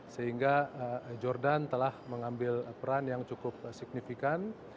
sehingga jordan telah mengambil peran yang cukup signifikan